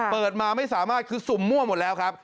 เปิดมาไม่สามารถคือสุ่มมั่วหมดแล้วครับ